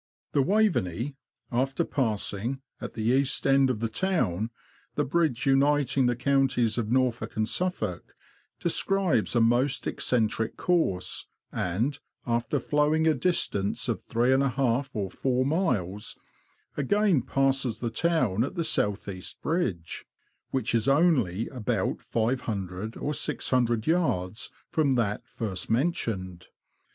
The Waveney, after passing, at the east end of the town, the bridge uniting the counties of Norfolk and Suffolk, describes a most eccentric course, and, after flowing a distance of three and a half or four miles, again passes the town at the south east bridge, which is only about 500 or 600 yards from that first mentioned.